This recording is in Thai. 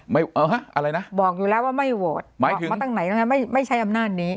ไม่เอ้าฮะอะไรนะบอกอยู่แล้วว่าไม่โหวตหมายถึงมาตั้งไหนแล้วคะไม่ไม่ใช่อำนาจนี้